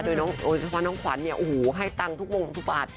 โดยเฉพาะน้องขวัญเนี่ยโอ้โหให้ตังค์ทุกมงทุกบาท